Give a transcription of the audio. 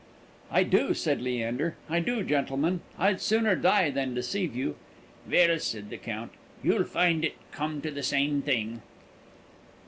"I do," said Leander, "I do, gentlemen. I'd sooner die than deceive you." "Well," said the Count, "you'd find it come to the same thing."